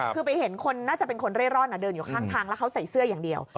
คือไปเห็นคนน่าจะเป็นคนเร่ร่อนเดินอยู่ข้างทางแล้วเขาใส่เสื้ออย่างเดียว